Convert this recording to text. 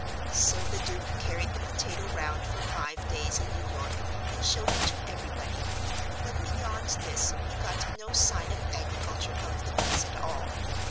So the Duke carried the potato round for five days in New York and showed it to everybody. But beyond this he got no sign of agriculture out of the place at all.